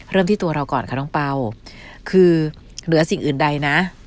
ที่ตัวเราก่อนค่ะน้องเป่าคือเหลือสิ่งอื่นใดนะ